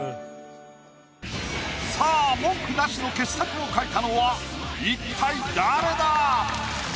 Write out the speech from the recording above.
さぁ文句なしの傑作を描いたのは一体誰だ？